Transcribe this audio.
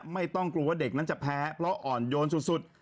ไม่ต้องกลัวว่าเด็กนั้นจะแพ้เพราะอ่อนโยนสุด